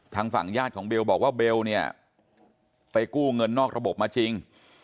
ทางฝั่งญาติของเบลบอกว่าเบลเนี่ยไปกู้เงินนอกระบบมาจริง